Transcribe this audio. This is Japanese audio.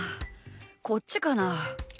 こっちかな？